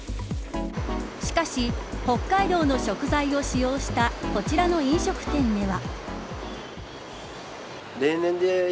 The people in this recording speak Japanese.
しかし、北海道の食材を使用したこちらの飲食店では。